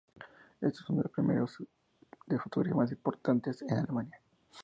Este es uno de los premios de fotografía más importantes en Alemania.